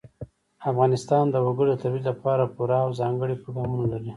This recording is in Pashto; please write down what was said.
افغانستان د وګړي د ترویج لپاره پوره او ځانګړي پروګرامونه لري.